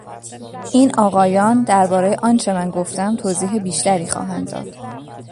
این آقایان دربارهی آنچه من گفتم توضیح بیشتری خواهند داد.